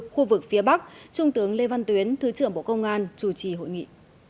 khu vực phía bắc trung tướng lê văn tuyến thứ trưởng bộ công an chủ trì hội nghị